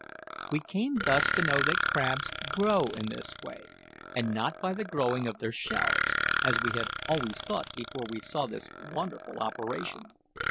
We came thus to know that crabs grow in this way, and not by the growing of their shells, as we had always thought before we saw this wonderful operation.